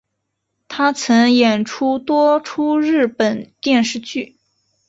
她曾演出多出日本电视剧。